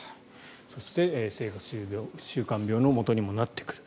そして生活習慣病のもとにもなってくる。